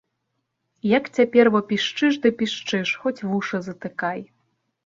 Як цяпер во пішчыш ды пішчыш, хоць вушы затыкай.